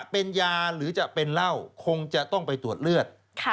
เป็นยาหรือจะเป็นเหล้าคงจะต้องไปตรวจเลือด